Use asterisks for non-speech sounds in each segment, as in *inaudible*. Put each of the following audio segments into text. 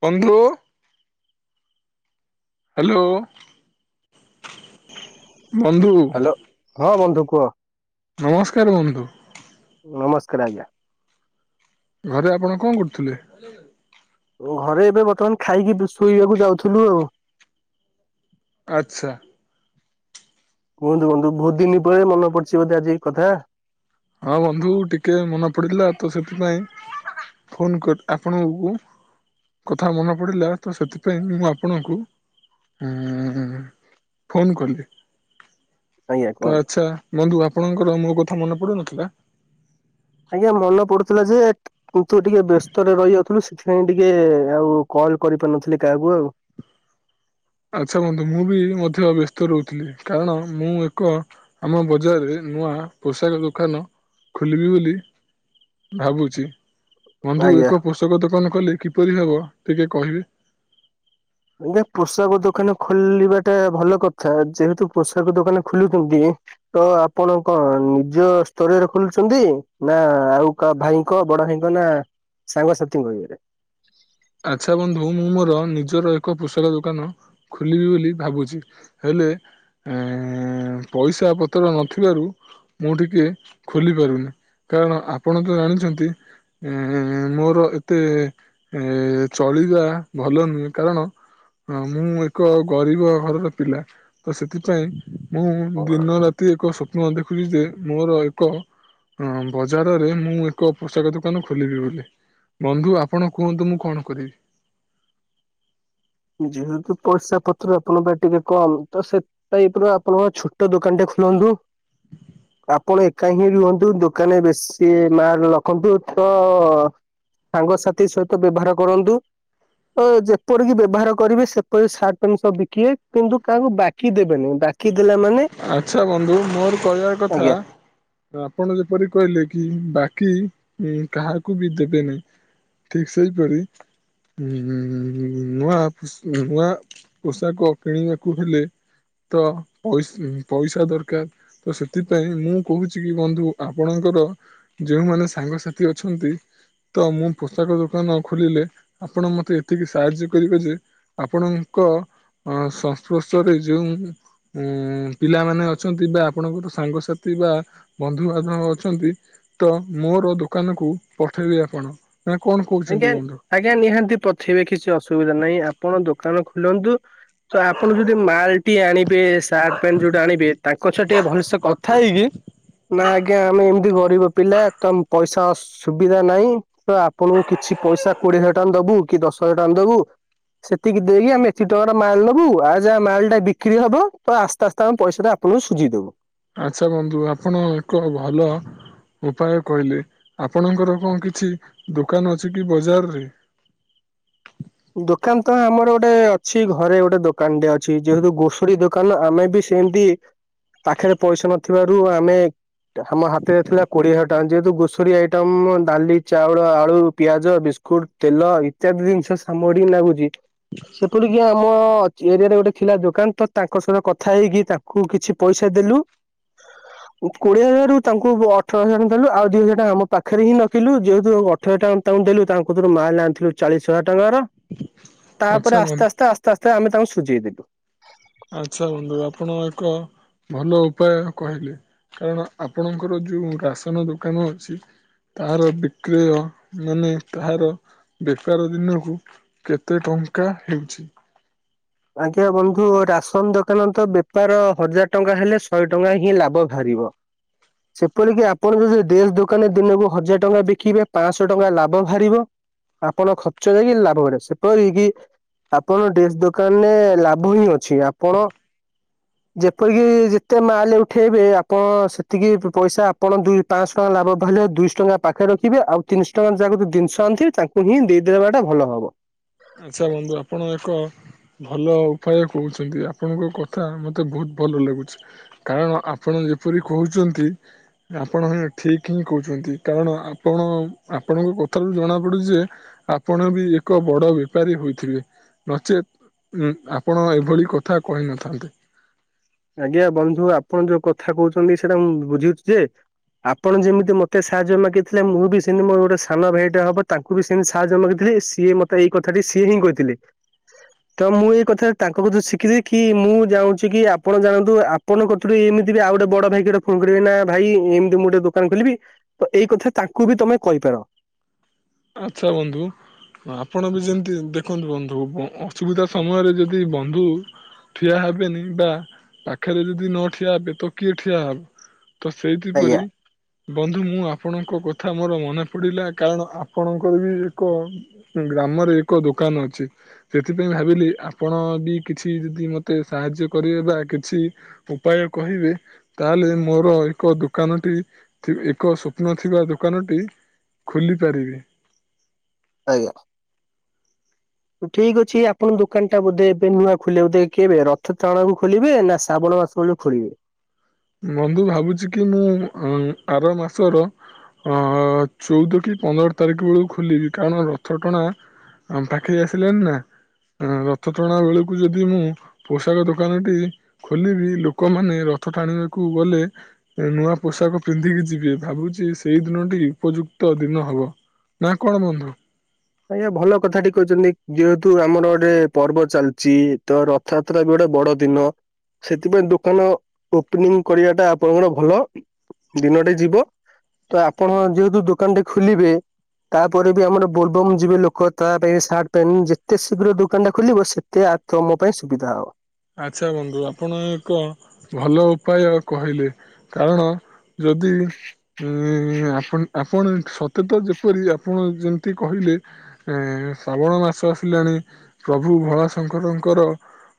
ବନ୍ଧୁ ହ୍ୟାଲୋ ବନ୍ଧୁ ହ୍ୟାଲୋ ହଁ ବନ୍ଧୁ କୁହ ନମସ୍କାର ବନ୍ଧୁ ନମସ୍କାର ଆଜ୍ଞା। ଘରେ ଆପଣ କଣ କରୁଥିଲେ? ଘରେ ଏବେ ବର୍ତ୍ତମାନ ଖାଇକି ଶୋଇବାକୁ ଯାଉଥିଲୁ ଆଉ। ଆଚ୍ଛା। କୁହନ୍ତୁ ବନ୍ଧୁ ବହୁତ ଦିନ ପରେ ମନ ପଡିଛି ବୋଧେ ଆଜି କଥା। ହଁ ବନ୍ଧୁ ଟିକେ ମନେ ପଡିଥିଲା ତ ସେଥିପାଇଁ ଫୋନ କରି ଆପଣକୁ କଥା ମନେ ପଡ଼ିଲା ତ ସେଥିପାଇଁ ମୁଁ ଆପଣଙ୍କୁ ହଁ ଫୋନ କଲି। ଆଜ୍ଞା ତ କୁହନ୍ତୁ। ଆଚ୍ଛା ବନ୍ଧୁ ଆପଣଙ୍କର ମୋ କଥା ମନେ ପଡୁନଥିଲା? ଆଜ୍ଞା ମନେ ପଡୁଥିଲା ଯେ କି ତୁ ଟିକେ ବ୍ୟସ୍ତରେ ରହି ଯାଉଥିଲୁ ସେଥିପାଇଁ ଟିକେ ଆଉ କଣ କଲ କରିପାରୁନଥିଲି କାହାକୁ ଆଉ। *inaudible* ଆଚ୍ଛା ବନ୍ଧୁ ମୁଁ ବି ମଧ୍ୟ ବ୍ୟସ୍ତ ରହୁଥିଲି କାରଣ ମୁଁ ଏକ ଆମ ବଜାରରେ ନୂଆ ପୋଷାକ ଦୋକାନ ଖୋଲିବି ବୋଲି ଭାବୁଛି। ବନ୍ଧୁ ଆଜ୍ଞା। ଏକ ପୋଷକ ଦୋକାନ କଲ କିପରି ହବ ଟିକେ କହିବେ? ଆଜ୍ଞା ପୋଷାକ ଦୋକାନ ଖୋଲିବା ଟା ଭଲ କଥା ଯେହେତୁ ପୋଷାକ ଦୋକାନ ଖୋଲୁଛନ୍ତି। ତ ଆପଣ କଣ ନିଜ ସ୍ତରରେ ଖୋଲୁଛନ୍ତି ନା ଆଉ କାହା ଭାଇଙ୍କ ବଡ ଭାଇଙ୍କ ନା ସାଙ୍ଗସାଥିଙ୍କ ଇଏରେ? ଆଚ୍ଛା ବନ୍ଧୁ ମୁଁ ମୋର ନିଜର ଏକ ପୋଷାକ ଦୋକାନ ଖୋଲିବି ବୋଲି ଭାବୁଛି। ହେଲେ ଏ ପଇସା ପତ୍ର ନଥିବାରୁ ମୁଁ ଟିକେ ଖୋଲି ପାରୁନି। କାରଣ ଆପଣ ତ ଜାଣିଛନ୍ତି ଏ ମୋର ଏତେ ଏ ଚଳିବା ଭଲ ନୁହେଁ କାରଣ ହଁ ମୁଁ ଏକ ଗରିବ ଘରର ପିଲା ତ ସେଥିପାଇଁ ମୁଁ ଦିନ ରାତି ଏକ ସ୍ୱପ୍ନ ଦେଖୁଛି ଯେ ମୋର ଏକ ହଁ ବଜାରରେ ମୁଁ ଏକ ପୋଷାକ ଦୋକାନ ଖୋଲିବି ବୋଲି ବନ୍ଧୁ ଆପଣ କୁହନ୍ତୁ ମୁଁ କଣ କରିବି? ଯେହେତୁ ପଇସା ପତ୍ର ଆପଣଙ୍କ ଟିକେ କମ୍ ତ ସେ ଟାଇପର ଆପଣଙ୍କ ଛୋଟ ଦୋକାନ ଟେ ବନ୍ଧୁ। ଆପଣ ଏକା ହିଁ ରୁହନ୍ତୁ ଦୋକାନରେ ବେଶୀ ମାଲ ରଖନ୍ତୁ ତ ସାଙ୍ଗସାଥି ସହିତ ବ୍ୟବହାର କରନ୍ତୁ ଯେପରିକି ବ୍ୟବହାର କରିବେ ସେପରି ସାର୍ଟ ପନ୍ ସବ ବିକିବେ କିନ୍ତୁ କାହାକୁ ବାକି ଦେବେନି ବାକି ଦେଲା ମାନେ ଆଚ୍ଛା ବନ୍ଧୁ ମୋର କହିବାର କଥା ଆଜ୍ଞା ଆପଣ ଯେପରି କହିଲେ କି ବା କି ଉ କାହାକୁ ବି ଦେବେନି ଠିକ ସେହିପରି ହଁ ନୂଆ ନୂଆ ପୋଷାକ କିଣିବାକୁ ହେଲେ ତ ପଇସା ପଇସା ଦରକାର ତ ସେଥିପାଇଁ ମୁଁ କହୁଛି କି ବନ୍ଧୁ ଆପଣଙ୍କର ଯେଉଁମାନେ ମାନେ ସାଙ୍ଗସାଥି ଅଛନ୍ତି ତ ମୁଁ ପୋଷାକ ଦୋକାନ ଖୋଲିଲେ ଆପଣ ମୋତେ ଏତିକି ସାହାଯ୍ୟ କରିବେ ଯେ ଆପଣ ଙ୍କ ସଂସ୍ପୃଶରେ ଯେଉଁ ପିଲାମାନେ ଅଛନ୍ତି ବା ଆପଣଙ୍କର ସାଙ୍ଗସାଥି ବା ବନ୍ଧୁବାନ୍ଧବ ଅଛନ୍ତି ତ ମୁଁ ମୋର ଦୋକାନକୁ ପଠେଇବେ ଆପଣ? ନା କଣ କହୁଛନ୍ତି ଆଜ୍ଞା ବନ୍ଧୁ? ଆଜ୍ଞା ନିହାତି ପଠେଇବେ କିଛି ଅସୁବିଧା ନାହିଁ ଆପଣ ଦୋକାନ ଖୋଲନ୍ତୁ ତ ଆପଣ ଯଦି ମାଲ ଟି ଆଣିବେ ସାର୍ଟ ପ୍ୟାଣ୍ଟ ଯୋଉଟା ଆଣିବେ ତାଙ୍କ ସ ଟିକେ ଭଲସେ କଥା ହେଇ ନା ଆଜ୍ଞା ଆମେ ଏମ ତି ଗରିବ ପିଲା ତ ପଇସା ସୁବିଧା ନାହିଁ ତ ଆପଣଙ୍କୁ କିଛି ପଇସା କୋଡିଏ ହଜାର ଟଙ୍କା ଦବୁ କି ଦଶ ହଜାର ଟଙ୍କା ଦବୁ ସେତିକି ଦେଇକି ଆମେ ଏତିି ଟଙ୍କା ଟା ମାଲ ନେବୁ ଆଉ ଯାହା ମାଲ ଟା ବିକ୍ରି ହବ ତ ଆସ୍ତେ ଆସ୍ତେ ଆମ ପଇସାଟା ଆପଣଙ୍କୁ ସୁଝିଦବୁ। ଆଚ୍ଛା ବନ୍ଧୁ ଆପଣ ଏକ ଭଲ ଉପାୟ କହିଲେ ଆପଣଙ୍କର କଣ କିଛି ଦୋକାନ ଅଛି କି ବଜାରରେ ହ ଦୋକାନ ତ ଆମର ଗୋଟେ ଅଛି ଘରେ ଗୋଟେ ଦୋକାନଟେ ଅଛି ଯେହେତୁ ଗୋସରୀ ଦୋକାନ ଆମର ବି ସେମିତି ପାଖରେ ପଇସା ନଥିବାରୁ ଆମେ ଆମ ହାତରେ ଥିଲା କୋଡିଏ ହଜାର ଟଙ୍କା ଯେହେତୁ ଗୋସରୀ ଆଇଟମ ଡାଲି ଚାଉଳ ଆଳୁ ପିଆଜ ବି ବିସ୍କୁଟ ତେଲ ଇତ୍ୟାଦି ଜିନିଷ ସାମଡି ଲାଗୁଛି ସେପଟିକି ଆମ ଏରିଆରେ ଗୋଟିଏ ଥିଲା ଦୋକାନ ତ ତାଙ୍କ ସହିତ କଥା ହେଇକି ତାଙ୍କୁ କିଛି ପଇସା ଦେଲୁ କୋଡିଏ ହଜାରରୁ ତାଙ୍କୁ ଅଠର ହଜାର ଟ ଦେଲୁ ଆଉ ଦି ହଜାର ଟା ଆମ ପାଖରେ ହିଁ ରଖିଲୁ ଯେହେତୁ ଅଠ ହଜାର ଟା ତା ଦେଲୁ ତାଙ୍କରୁ ମାଲ ଆଣିଥିଲୁ ଚାଳିଶ ହଜାର ଟଙ୍କାର ଆଚ୍ଛା ତାପରେ ବନ୍ଧୁ ଆସ୍ତେ ଆସ୍ତେ ଆସ୍ତେ ଆସ୍ତେ ଆମେ ତାଙ୍କୁ ସୁଝେଇ ଦେଲୁ। ଆଚ୍ଛା ବନ୍ଧୁ ଆପଣ ଏକ ଭଲ ଉପାୟ କହିଲେ କାରଣ ଆପଣଙ୍କର ଯୋଉ ରାସନ ଦୋକାନ ଅଛି ତାହାର ବିକ୍ରୟ ମାନେ ତାହାର ବେପାର ଦିନକୁ କେତେ ଟଙ୍କା ଟଙ୍କା ଆଣିଛି। ଆଜ୍ଞା ବନ୍ଧୁ ରାସନ ଦୋକାନ ତ ବେପାର ହଜାର ଟଙ୍କା ହେଲେ ଶହେ ଟଙ୍କା ହିଁ ଲାଭ ଭାରି ଥିବ ସେପରିକି ଆପଣ ଯଦି ଦେଶ ଦୋକାନ ଦିନକୁ ହଜାର ଟଙ୍କା ବିକିବେ ପାଞ୍ଚଶହ ଟଙ୍କା ଲାଭ ବାହାରିବ ଆପଣ ଖର୍ଚ୍ଚରେ କି ଲାଭ କ ସେପରି କି ଆପଣ ଡେସ ଦୋକାନେ ଲାଭ ହିଁ ଅଛି ଆପଣ ଯେପରିକି ଯେତେ ମାଲ ଉଠେଇବେ ଆପଣ ସେତିକି ପଇସା ଆପଣ ଦୁଇ ପାଞ୍ଚ ଟଙ୍କା ଲାଭ ଭା ଦୁଇଶହ ଟଙ୍କା ପାଖରେ ରଖିବେ ଆଉ ତିନିଶହ ଟଙ୍କା ଯାକୁ ଜିନିଷ ଆଣି ଥିବେ ତାଙ୍କୁ ହିଁ ଦେଇଦେବାଟା ଭଲ ହବ। ଆଚ୍ଛା ବନ୍ଧୁ ଆପଣ ଏକ ଭଲ ଉପାୟ କହୁଛନ୍ତି ଆପଣଙ୍କ କଥା ମତେ ବହୁତ ଭଲ ଲାଗୁଛି କାରଣ ଆପଣ ଯେପରି କହୁଛନ୍ତି ଆପଣ ଠିକ ହିଁ କହୁଛନ୍ତି କାରଣ ଆପଣ ଆପ କଥାରୁ ଜଣା ପଡୁ ଯେ ଆପଣ ବି ଏକ ବଡ ବ୍ୟକ୍ତି ପାରୀ ହୋଇଥିବେ ନଚେତ୍ ଆପଣ ଏଭଳି କଥା କହି ନଥାନ୍ତେ ଆଜ୍ଞା ବନ୍ଧୁ ଆପଣ ଯୋଉ କଥା କହୁଛନ୍ତି ସେଇଟା ମୁଁ ବୁଝଛି ଯେ ଆପଣ ଯେମିତି ମତେ ସାହାଯ୍ୟ ମାଗିଥିଲେ ମୁଁ ବି ସେମିତି ମୋର ଗୋଟେ ସାନ ଭାଇଟା ହବ ତାଙ୍କୁ ବି ସେମିତି ସାହାଯ୍ୟ ମାଗିି ସିଏ ମତେ ଏଇ କଥା ସିଏ ହିଁ କହିଥିଲେ। ତ ମୁଁ ଏଇ କଥା ତାଙ୍କ କଥା ଶିଖିଦି କି ମୁଁ ଯାଉଁଛି କି ଆପଣ ଜାଣନ୍ତୁପଣ କଥରୁ ଏମତି ବି ଆଉ ଗୋଟେ ବ ଭାଇ ଗୋଟେ ଫୋନ କରିବେ ନା ଭାଇ ଏମିତି ମୁଁ ଗୋଟେ ଦୋକାନ ଖୋଲିବି। ତ ଏଇ କଥା ତାଙ୍କୁ ବି ତମେ କହିପାର। ଆଚ୍ଛା ବନ୍ଧୁ। ଆପଣ ବି ଯେମିତି ଦେଖନ୍ତୁ ବନ୍ଧୁ ଅସୁବିଧା ସମୟରେ ଯଦି ବନ୍ଧୁ ଠିଆ ହେବେନି ବା ପାଖରେ ଯଦି ନ ଠିଆ ହେବେ ତ କିଏ ଠିଆ ହେବ। ତ ସେଇଥିପରି ଆଜ୍ଞା ବନ୍ଧୁ ମୁଁ ଆପଣଙ୍କ କଥା ମୋର ମନେ ପଡ଼ିଲା କାରଣ ଆପଣଙ୍କର ବି ଏକ ଗ୍ରାମରେ ଏକ ଦୋକାନ ଅଛି ସେଥିପାଇଁ ଭାବିଲି ଆପଣ କିଛି ଯଦି ମତେ ସାହାଯ୍ୟ କରିବେ ବା କିଛି ଉପାୟ କହିବେ ତାହେଲେ ମୋର ଏକ ଦୋକାନଟି ଏକ ସ୍ୱପ୍ନ ଥିବା ଦୋକାନଟି ଖୋଲି ପାରିବି। ଆଜ୍ଞା। ଠିକ ଅଛି ଆପଣଙ୍କ ଦୋକାନ ଟା ବୋଧେ ଏବେ ନୂଆ ଖୋଲ ବୋଧେ କିବେ ରଥ ଟଣାକୁ ଖୋଲିବେ ନା ଶ୍ରାବଣ ଆସ ଖୋଲିବେ। ବନ୍ଧୁ ଭାବୁଛି କି ମୁଁ ଆର ମାସର ଅ ଚଉଦ କି ପନ୍ଦର ତାରିଖ ବେଳକୁ ଖୋଲିବି କାରଣ ରଥ ଟଣା ଆମ ପାଖି ଆସିଲେ ନା ରଥ ଟଣା ବେଳକୁ ଯଦି ମୁଁ ପୋଷାକ ଦୋକାନଟି ଖୋଲିବି ଲୋକମାନେ ରଥ ଟାଣିବେ କୁ ଗଲେ ନୂଆ ପୋଷାକ ପିନ୍ଧିକି ଯିବେ ଭାବୁଛି ସେଇ ଦିନଟି ଉପଯୁକ୍ତ ଦିନ ହବ। ନା କଣ ବନ୍ଧୁ? ଆଜ୍ଞା ଭଲ କଥାଟି କହିଛନ୍ତି ଯେହେତୁ ଆମର ଗୋଟେ ପର୍ବ ଚାଲିଛି ତ ରଥଯାତ୍ରା ବି ଗୋଟେ ବଡ ଦିନ ସେଥିପାଇଁ ଦୋକାନ ଓପନିଂ କରିବାଟା ଆପଣଙ୍କର ଭଲ ଦିନଟି ଯିବ। ତ ଆପଣ ଯେହେତୁ ଦୋକାନଟେ ଖୋଲିବେ ତାପରେ ବି ଆମର ବୋଲ୍ ବମ୍ ଏବଂ ଯିବେ ଲୋକ ତା ପାଇଁ ସାର୍ଟ ପାଇଁ ଯେତେ ଶୀଘ୍ର ଦୋକାନଟା ଖୋଲିବେ ସେତେ ତମ ପାଇଁ ସୁବିଧା ହବ। ଆଛା ବନ୍ଧୁ ଆପଣ ଏକ ଭଲ ଉପାୟ କହିଲେ। କାରଣ ଯଦି ଏ ଆପ ଆପଣ ସତେ ତ ଯେପରି ଆପଣ ଯେମିତି କହିଲେ ଶ୍ରାବଣ ମାସ ଆସିଲାଣି ପ୍ରଭୁ ଭୋଲାଶଙ୍କରଙ୍କର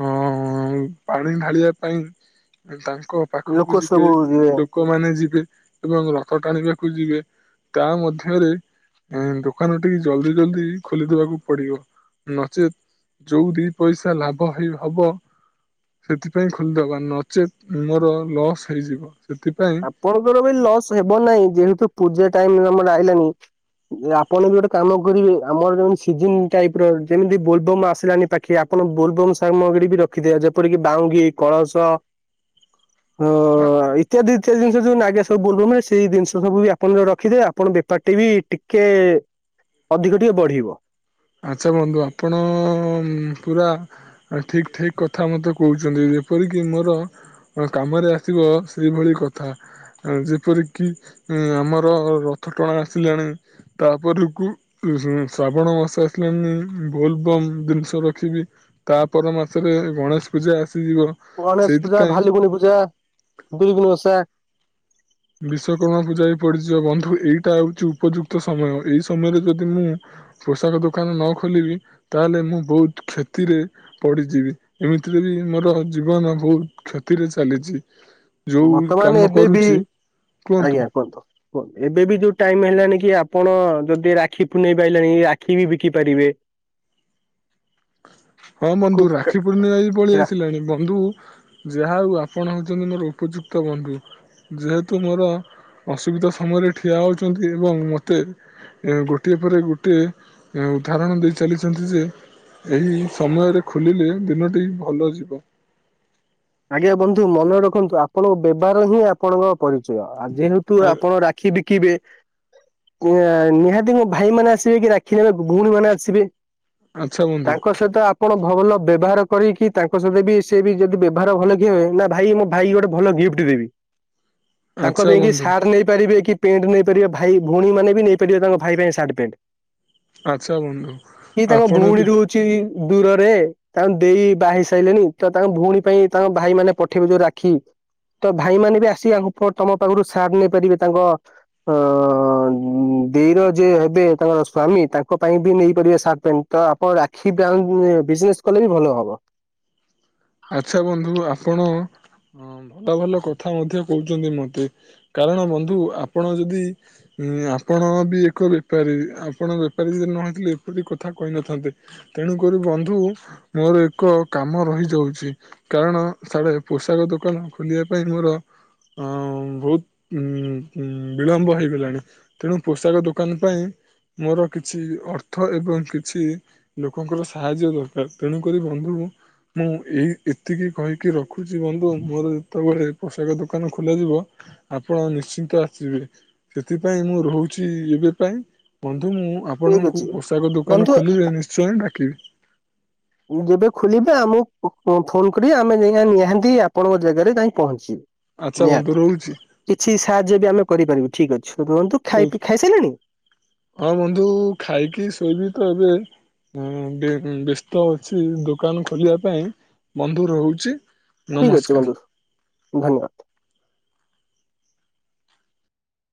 ହଁ ପାଣି ଢାଳିବା ପାଇଁ ତାଙ୍କ ତାଙ୍କ ପାଖକୁ ଲୋକ ଯିବେ ସବୁ ଲୋକମାନେ ଯିବେ। ଏବଂ ରଥ ଟାଣିବାକୁ ଯିବେ ତା ମଧ୍ୟରେ ଏଁ ଦୋକାନ ଟିକେ ଜଲ୍ଦି ଜଲ୍ଦି ଖୋଲିଦେବାକୁ ପଡିବ। ନଚେତ୍ ଯୋଉଁ ଦି ପଇସା ଲାଭ ହେଇ ହବ ସେଥିପାଇଁ ଖୋଲିଦବା ନଚେତ୍ ମୋର ଲସ୍ ହେଇଯିବ। ସେଥିପାଇଁ ଆପଣଙ୍କର ବି ଲସ୍ ହେବ ନାହିଁ ଯେହେତୁ ପୂଜା ଟାଇମ ଆମର ଆଇଲାଣି। ଯେ ଆପଣ ବି ଗୋଟେ କାମ କରିବେ, ଆମର ଯୋଉଁ ସିିଜିନ ଟାଇପର ଯେମିତି ବୋଲବମ ଆସିଲାନି ପାଖେଇ ଆପଣ ବୋଲବମ୍ ସାମଗ୍ରୀ ବି ରଖିଦିଅ ଯେପରିକି ବାହୁଙ୍ଗି, କଳସ *inaudible* ହଁ ଜିନିଷ ଯୋଉଁ ଆଜ୍ଞା ସବୁ ବୋଲବମ୍ ମାନେ ସେଇ ଜିନିଷ ସବୁ ବି ଆପଣ ରଖିଦେବେ ଆପଣ ବେପାରଟି ବି ଟିକେ ଅଧିକ ଟିକେ ବଢିବ। ଆଛା ବନ୍ଧୁ ଆପଣ ପୁରା ଠିକ ଠିକ କଥା ମତେ କହୁଛନ୍ତି। ଯେପରିକି ମୋର କାମରେ ଆସିବ ସେଇଭଳି କଥା। ଯେପରିକି ଆମର ରଥ ଟଣା ଆସିଲାଣି ତାପରକୁ *unintelligible* ଶ୍ରାବଣ ମାସ ବୋଲବମ୍ ଜିନିଷ ରଖିବି। ତାପ ମାସରେ ଗଣେଶ ପୂଜା ଆସ ଗଣେଶ ପୂଜା, ଭାଲୁକୁଣି ପୂଜା, *unintelligible* ଓଷା ବିଶ୍ଵକର୍ମା ପୂଜା ବି ପଡିଯିବ ବନ୍ଧୁ। ଏଇଟା ହଉଛି ଉପଯୁକ୍ତ ସମୟ ଏଇ ସମୟରେ ଯଦି ମୁଁ ପୋଷାକ ଦୋକାନ ନ ଖୋଲିବି ତାହେଲେ ମୁଁ ବହୁତ କ୍ଷତିରେ ପଡିଯିବି। ଏମିତି ଏଇ ମୋର ଜୀବନ ବହୁତ କ୍ଷତିରେ ଚାଲିଛି। ଯୋଉ କାମ ବର୍ତ୍ତମାନ ଏବେବି କରୁଛି ଆଜ୍ଞା କୁହନ୍ତୁ କୁହନ୍ତୁ ଏବେବି ଯୋଉଁ ଟାଇମ ହେଲା କି ଆପଣ ଯଦି ରାକ୍ଷୀ ପୁନେଇ ବି ଆଇଲାଣି। ରାକ୍ଷୀ ବି ବିକି ପାରିବେ। ହଁ କୁ ବନ୍ଧୁ କା ରାକ୍ଷୀ ପୂର୍ଣ୍ଣମା ବି ପଳେଇ ଆସିଲାଣି ବନ୍ଧୁ ଯାହା ହଉ ଆପଣ ହଉଛନ୍ତି ମୋର ଉପଯୁକ୍ତ ବନ୍ଧୁ। ଯେହେତୁ ମୋର ଅସୁବିଧା ସମୟରେ ଠିଆ ହୋଇଚନ୍ତି ଏବଂ ମତେ ଗୋଟିଏ ତାପରେ ଗୋଟିଏ ଉଦାହରଣ ଦେଇ ଚାଲିଛନ୍ତି ଯେ ଏହି ସମୟରେ ଖୋଲିଲେ ଦିନଟି ଭଲ ଯିବ। ଆଜ୍ଞା ବନ୍ଧୁ ମନେ ରଖନ୍ତୁ ଆପଣଙ୍କ ବ୍ୟବହାର ହିଁ ଆପଣଙ୍କ ପରିଚୟ ଆ ଯେହେତୁ ଆ ଆପଣ ରାକ୍ଷୀ ବିକିବେ ନିହାତି ମୋ ଭାଇ ମାନେ ଆସିବେ କି ରାକ୍ଷୀ ନେବେ ଭଉଣୀ ମାନେ ଆସିବେ। ଆଚ୍ଛା ବନ୍ଧୁ ତାଙ୍କ ସହିତ ଆପଣ ଭଲ ବ୍ୟବହାର କରିକି ତାଙ୍କ ସହିତ ବି ସେ ବି ଯଦି ବ୍ୟ ବ୍ୟବହାର ଭଲ ଥିବ। ନା ଭାଇ ମୋ ଭାଇ ଗୋଟେ ଭଲ ଗିଫ୍ଟ ଦେବି। ତାଙ୍କ ଆଚ୍ଛା ପାଇଁ କି ବନ୍ଧୁ ସାର୍ଟ ନେଇ ପାରିବେ କି? ପେଣ୍ଟ ନେଇପାରିବେ ଭାଇ ଭଉଣୀ ମାନେ ବି ନେଇପାରିବେ ତାଙ୍କ ଭାଇ ପାଇଁ ସାର୍ଟ, ପ୍ୟାଣ୍ଟ। ଆଚ୍ଛା ବନ୍ଧୁ ଇ ତାଙ୍କ ଆପଣ ଭଉଣୀ ବି ରହୁଛି। ଦୂରରେ ତାଙ୍କ ଦେଇ ବାହାହେଇ ସାଇଲେଣି ତ ତାଙ୍କ ଭଉଣୀ ପାଇଁ ତାଙ୍କ ଭାଇମାନେ ପଠେଇବେ ଯୋଉଁ ରାକ୍ଷୀ। ତ ଭାଇମାନେ ବି ଆସିକି ତମ ପାଖରୁ ସାର୍ଟ ନେଇପାରିବେ। ତାଙ୍କ ଅ ଦେଇର ଯିଏ ହେବେ, ତାଙ୍କର ସ୍ଵାମୀ ତାଙ୍କ ପାଇଁ ବି ନେଇପାରିବେ ସାର୍ଟ ପ୍ୟାଣ୍ଟ। ତ ଆପଣ ରାକ୍ଷୀ ବ୍ୟା ବିଜନେସ କଲେ ବି ଭଲ ହବ। ଆଚ୍ଛା ବନ୍ଧୁ ଆପଣ ହଁ ଭଲ ଭଲ କଥା ମଧ୍ୟ କହୁଛନ୍ତି ମତେ କାରଣ ବନ୍ଧୁ ଆପଣ ଯଦି ଁ ଆପଣ ବି ଏକ ବେପାରୀ ଆପଣ ବେପାରୀ ଯଦି ନ ହେଇଥିଲେ ଏପରି କଥା କହିନଥାନ୍ତେ। ତେଣୁକ ବନ୍ଧୁ ମୋର ଏକ କାମ ରହିଯାଉଛି। କାରଣ ସାଡେ ପୋଷାକ ଦୋକାନ ଖୋଲିବା ପାଇଁ ମୋର ଅ ବହୁତ ଉ ବିଳମ୍ବ ହେଇଗଲାଣି ତେଣୁ ପୋଷାକ ଦୋକାନ ପାଇଁ ମୋର କିଛି ଅର୍ଥ ଏବଂ କିଛି ଲୋକଙ୍କର ସାହାଯ୍ୟ ଦରକାର ତେଣୁକରି ବନ୍ଧୁ। ମୁଁ। ଏଇ ଏତିକି କହିକି ରଖୁଛି ବନ୍ଧୁ ମୋର ଯେତେବେଳେ ପୋଷାକ ଦୋକାନ ଖୋଲାଯିବ ଆ ଆପଣ ନିଶ୍ଚିନ୍ତ ଆସିବେ ସେଥିପାଇଁ ମୁଁ ରହୁଛି ଏବେ ପାଇଁ ବନ୍ଧୁ ମୁଁ ଠିକ ଆପଣଙ୍କୁ ଅଛି। ପୋଷାକ ଦୋକାନ ବନ୍ଧୁ ଖୋଲିବେ ନିଶ୍ଚୟ ଡାକିବି। ଯେବେ ଖୋଲିବେ ଆମକୁ ଫୋନ କରିବ ଆମେ ଯାଇ ନିହାନ୍ତି ଆପଣଙ୍କ ଜାଗାରେ ଯାଇ ପହଞ୍ଚିବେ। ଆଚ୍ଛା ବନ୍ଧୁ ନିହାତି ରହୁଛି କିଛି ସାହାଯ୍ୟ ବି ଆମେ କରିପାରିବୁ ଠିକ୍ ଅଛି। ରୁହନ୍ତୁ ଖାଇ ହହୁଛି ଖାଇସାରିଲେଣି ହଁ ବନ୍ଧୁ ଖାଇକି ଶୋଇବି ତ ଏବେ। ବ୍ୟସ୍ତ ଅଛି ଦୋକାନ ଖୋଲିବା ପାଇଁ ବନ୍ଧୁ ରହୁଛି। ଆଇ ଗଛି ନମସ୍କାର। ବନ୍ଧୁ ଧନ୍ୟବାଦ।